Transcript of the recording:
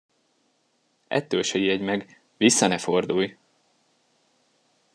Ettől se ijedj meg, vissza ne fordulj!